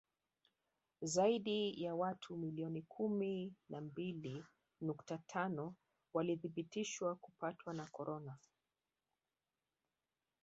Zaidi ya watu milioni kumi na mbili nukta tano walithibitishwa kupatwa na korona